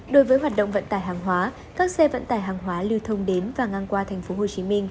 đối với hoạt động vận tải hàng hóa các xe vận tải hàng hóa lưu thông đến và ngang qua tp hcm